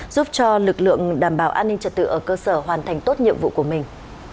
giúp cho lực lượng đảm bảo an ninh trật tự ở cơ sở hoàn thành tốt nhiệm vụ của mình